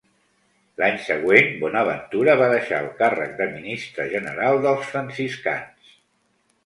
L'any següent, Bonaventura va deixar el càrrec de ministre general dels franciscans.